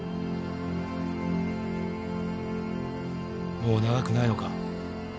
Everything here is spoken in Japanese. もう長くないのか？